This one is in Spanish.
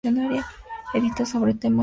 Edita sobre temas sociales.